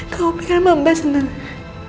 kamu pikir sama mbak sendiri